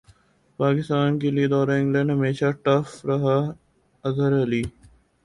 پاکستان کیلئے دورہ انگلینڈ ہمیشہ ٹف رہا اظہر علی